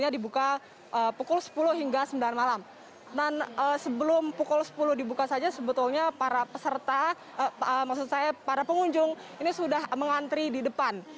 dan sebelum pukul sepuluh dibuka saja sebetulnya para peserta maksud saya para pengunjung ini sudah mengantri di depan